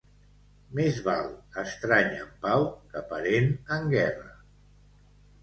Més val estrany en pau que parent en guerra.